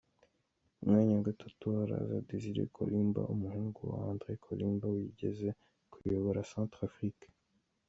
Ku mwanya wa gatatu haraza Désiré Kolingba, umuhungu wa André Kolingba wigeze kuyobora Centrafrique.